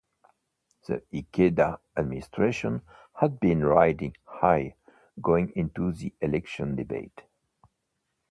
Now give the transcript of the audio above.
The Ikeda administration had been riding high going into the election debate.